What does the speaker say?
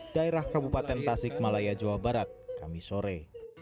daerah kabupaten tasik malaya jawa barat kami sore